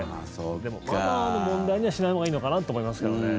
でも、マナーの問題にはしないほうがいいのかなと思いますけどね。